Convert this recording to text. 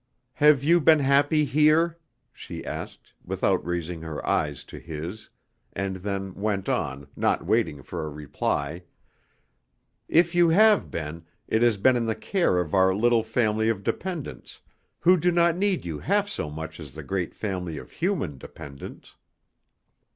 "Have you been happy here?" she asked, without raising her eyes to his, and then went on, not waiting for a reply, "If you have been, it has been in the care of our little family of dependents, who do not need you half so much as the great family of human dependents.